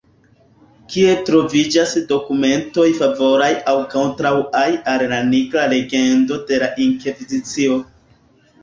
Kie troviĝas dokumentoj favoraj aŭ kontraŭaj al la Nigra legendo de la Inkvizicio.